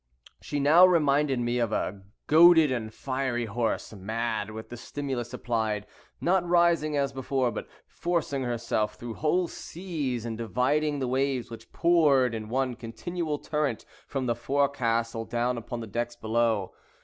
She now reminded me of a goaded and fiery horse, mad with the stimulus applied; not rising as before, but forcing herself through whole seas, and dividing the waves, which poured in one continual torrent from the forecastle down upon the decks below.